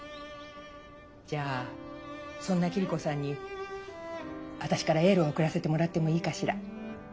じゃあそんな桐子さんに私からエールを送らせてもらってもいいかしら？